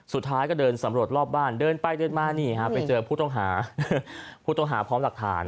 สุดท้ายก็เดินสำรวจรอบบ้านเดินไปเดินมาไปเจอผู้ต้องหาพร้อมหลักฐาน